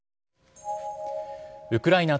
ウクライナ